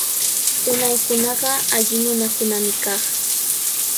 Unaykunaqa alli nunakunami kaq.